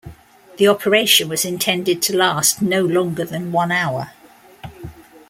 The operation was intended to last no longer than one hour.